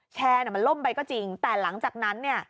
แชร์มันล่มไปก็จริงแต่หลังจากนั้นเนี่ย